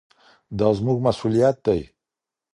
دا زموږ مسووليت دی.